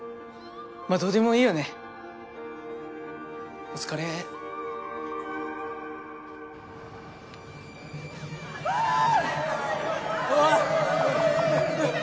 まぁどうでもいいよねお疲れフォー！